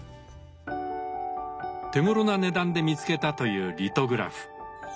手ごろな値段で見つけたというリトグラフ。